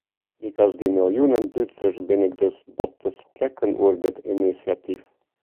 Lykas dy miljoenen Dútsers bin ik dus bot te sprekken oer dit inisjatyf.